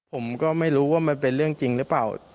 ผมก็ไม่รู้ว่ามันเป็นเรื่องจริงหรือเปล่า